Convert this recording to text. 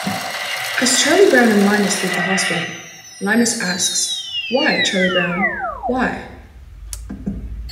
As Charlie Brown and Linus leave the hospital, Linus asks: "Why, Charlie Brown, Why?".